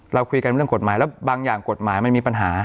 เราคุยกันเรื่องกฎหมายแล้วบางอย่างกฎหมายมันมีปัญหา